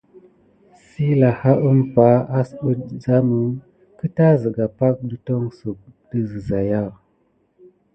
Sey lahaa umpa, asɓet zamə kəta zega pake dətonsuk də zəzaya.